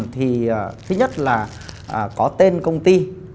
thì thứ nhất là có tên công ty